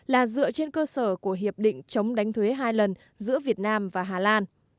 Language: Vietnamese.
là dựa trên cơ sở của hiệp định chống đánh thuế hai lần giữa việt nam và hà lan